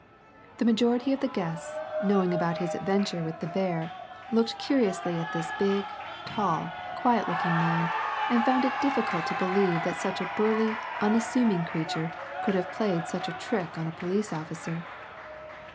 The majority of the guests, knowing about his adventure with the bear, looked curiously at this big, tall, quiet looking man, and found it (litftcult to believe that such a burly, unassuming creature could have played such a trick on a police officer.